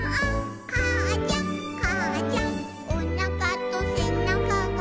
「かあちゃんかあちゃん」「おなかとせなかが」